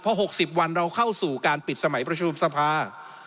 เพราะหกสิบวันเราเข้าสู่การปิดสมัยประชุมสภา